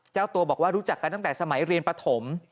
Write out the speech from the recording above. เจ้าตัวบอกว่ารู้จักกันตั้งแต่สมัยเรียนปฐม